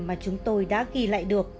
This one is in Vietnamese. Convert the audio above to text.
mà chúng tôi đã ghi lại được